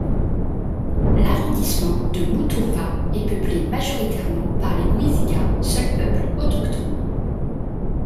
L'arrondissement de Moutourwa est peuplé majoritairement par les Guiziga, seules populations autochtones.